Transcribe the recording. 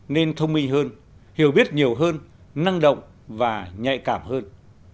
nên thông minh hơn hiểu biết nhiều hơn năng động và nhạy cảm hơn